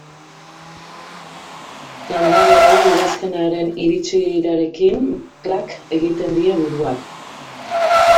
Landareei udazkenaren iritsierarekin klak egiten die buruak.